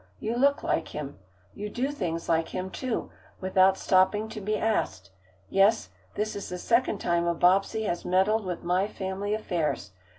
You look like him. You do things like him, too, without stopping to be asked. Yes, this is the second time a Bobbsey has meddled with my family affairs.